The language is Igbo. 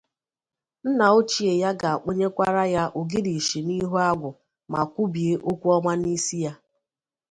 nnaochie ya ga-akpọnyekwara ya ogirisi n'ihu agwụ ma kwubie okwu ọma n'isi ya